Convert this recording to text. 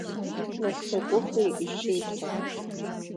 Нас закәыхи, иҽиԥсахт.